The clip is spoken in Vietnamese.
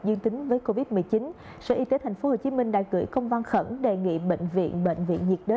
dương tính với covid một mươi chín sở y tế tp hcm đã gửi công văn khẩn đề nghị bệnh viện bệnh viện nhiệt đới